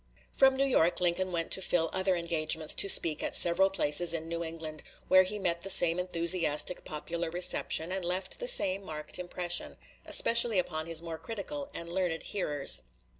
From New York Lincoln went to fill other engagements to speak at several places in New England, where he met the same enthusiastic popular reception and left the same marked impression, especially upon his more critical and learned hearers.